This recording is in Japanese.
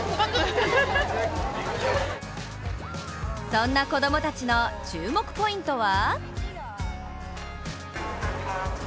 そんな子供たちの注目ポイントは？